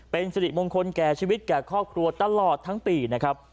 เป็นสิริมงคลแก่ชีวิตแก่ครอบครัวตลอดทั้งปีนะครับ